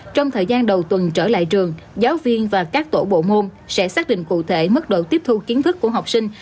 trong thời gian đầu tuần trở lại trường giáo viên và các tổ bộ môn sẽ xác định cụ thể mức độ tiếp thu kiến thức của học sinh